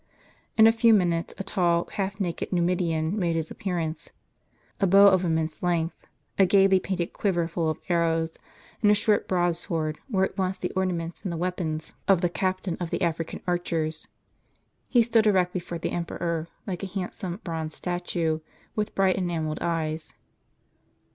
In a few minutes, a tall, half naked Numidian made his appear ance. A bow of immense length, a gaily painted quiver full of arrows, and a short broad sword, were at once the orna ments and the weapons of the captain of the African archers. He stood erect before the emperor, like a handsome bronze statue, with bright enamelled eyes.